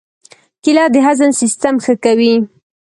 کېله د هضم سیستم ښه کوي.